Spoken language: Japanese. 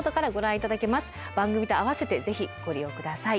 番組とあわせてぜひご利用下さい。